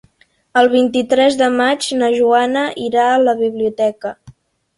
El vint-i-tres de maig na Joana irà a la biblioteca.